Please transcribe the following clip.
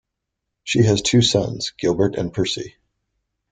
She has two sons, Gilbert and Percy.